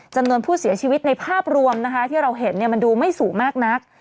จำนวนผู้เสียชีวิตในภาพรวมนะคะที่เราเห็นมันดูไม่สูงมากนัก